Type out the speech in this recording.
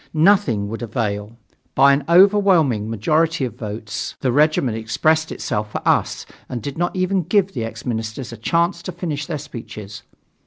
Nothing would avail. By an overwhelming majority of votes, the regiment expressed itself for us and did not even give the ex ministers a chance to finish their speeches.